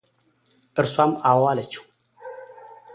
እርሷም አዎ አለችው፡፡